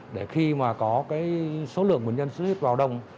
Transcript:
để khi mà có cái số lượng bệnh nhân xuất huyết vào đông